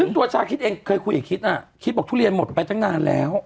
ซึ่งตัวชาคิดเองเคยคุยกับคิดน่ะคิดบอกทุเรียนหมดไปตั้งนานแล้ว